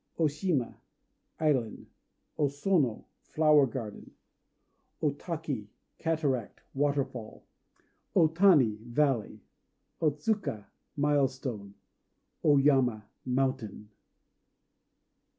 O Shima "Island." O Sono "Flower garden." O Taki "Cataract," or Waterfall. O Tani "Valley." O Tsuka "Milestone." O Yama "Mountain."